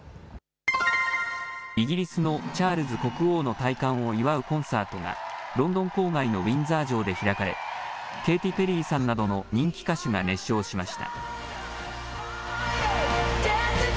イギリスのチャールズ国王の戴冠を祝うコンサートがロンドン郊外のウィンザー城で開かれケイティ・ペリーさんなどの人気歌手が熱唱しました。